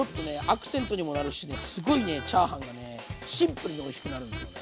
アクセントにもなるしねすごいねチャーハンがシンプルにおいしくなるんですよ。